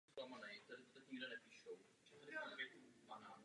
Druhotně byl zavlečen i na tichomořské ostrovy.